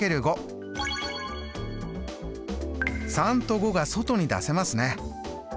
３と５が外に出せますね。